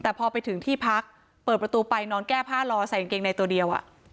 แต่พอไปถึงที่พักเปิดประตูไปนอนแก้ผ้ารอใส่กางเกงในตัวเดียว